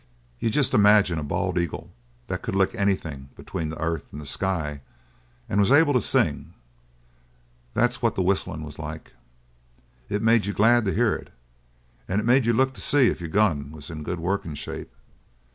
You jest imagine a bald eagle that could lick anything between the earth and the sky and was able to sing that's what that whistlin' was like. It made you glad to hear it, and it made you look to see if your gun was in good workin' shape.